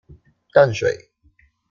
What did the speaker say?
淡水